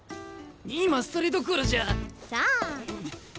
今それどころじゃ。さあ！